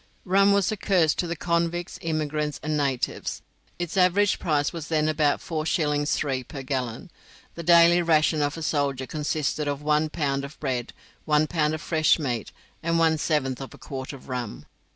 Rum was a curse to the convicts, immigrants, and natives. Its average price was then about 4s. 3d. per gallon. The daily ration of a soldier consisted of one pound of bread, one pound of fresh meat, and one seventh of a quart of rum.